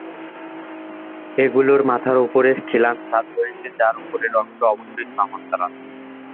এগুলোর মাথার উপরে খিলান ছাদ রয়েছে, যার উপরের অংশ অবশ্য সমান্তরাল।